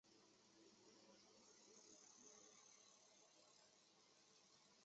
春秋时期鲁国人。